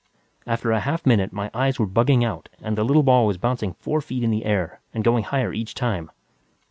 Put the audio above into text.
After a half minute, my eyes were bugging out and the little ball was bouncing four feet in the air and going higher each time.